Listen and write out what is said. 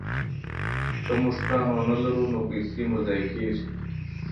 که موږ پلان ونه لرو نو پيسې مو ضايع کيږي.